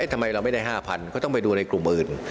ทำไมเราไม่ได้๕๐๐ก็ต้องไปดูในกลุ่มอื่น